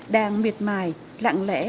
đang miệt mài lạng lẽ